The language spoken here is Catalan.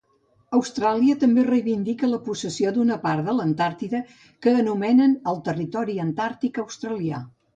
Austràlia també reivindica la possessió d'una part de l'Antàrtida, que anomenen el Territori Antàrtic Australià.